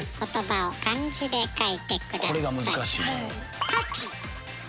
これが難しいのよ。